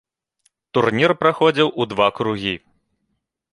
Турнір праходзіў у два кругі.